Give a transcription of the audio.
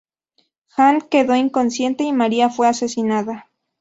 Hank quedó inconsciente y María fue asesinada.